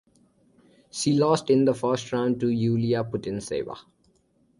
She lost in the first round to Yulia Putintseva.